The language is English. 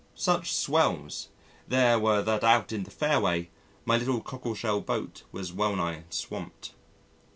Such "swells" there were that out in the fairway, my little cockle shell boat was wellnigh swamped.